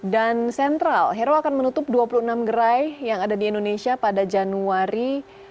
dan central hair akan menutup dua puluh enam gerai yang ada di indonesia pada januari dua ribu sembilan belas